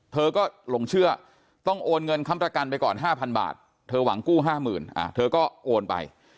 เธอก็หลงเชื่อต้องโอนเงินค้ำประกันไปก่อน๕๐๐บาทเธอหวังกู้๕๐๐๐เธอก็โอนไป